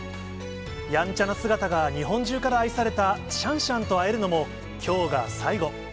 やんちゃな姿が日本中から愛されたシャンシャンと会えるのも、きょうが最後。